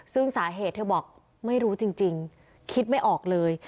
ซึ่งสาเหตุเธอบอกไม่รู้จริงคิดไม่ออกเลย